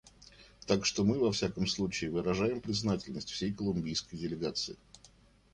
Так что мы, во всяком случае, выражаем признательность всей колумбийской делегации.